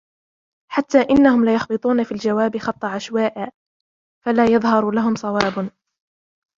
حَتَّى إنَّهُمْ لَيَخْبِطُونَ فِي الْجَوَابِ خَبْطَ عَشْوَاءِ فَلَا يَظْهَرُ لَهُمْ صَوَابٌ